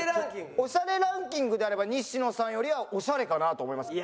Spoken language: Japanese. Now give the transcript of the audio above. オシャレランキングであれば西野さんよりはオシャレかなと思いますけど。